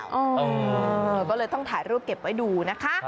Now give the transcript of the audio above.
เออก็เลยต้องถ่ายรูปเก็บไว้ดูนะคะ